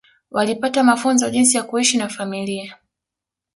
Walipata mafunzo jinsi ya kuishi na familia